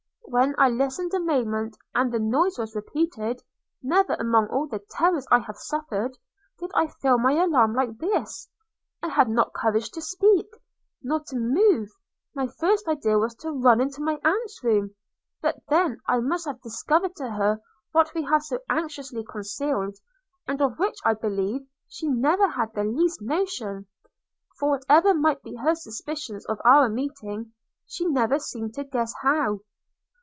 When I listened a moment, and the noise was repeated, never, among all the terrors I have suffered, did I feel any alarm like this – I had not courage to speak, nor to move: my first idea was to run into my aunt's room; but then I must have discovered to her what we have so anxiously concealed; and of which, I believe, she never had the least notion; for whatever might be her suspicions of our meeting, she never seemed to guess how.